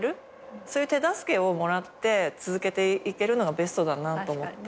そういう手助けをもらって続けていけるのがベストだなと。